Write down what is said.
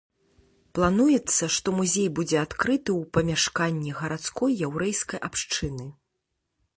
Плануецца, што музей будзе адкрыты ў памяшканні гарадской яўрэйскай абшчыны.